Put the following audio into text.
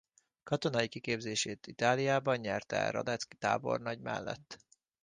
Katonai kiképzését Itáliában nyerte el Radetzky tábornagy mellett.